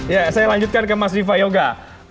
ya saya lanjutkan ke mas diva yoga